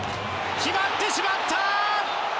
決まってしまった！